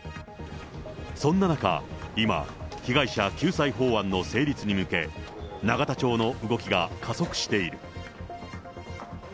そんな中、今、被害者救済法案の成立に向け、永田町の動きが加速している。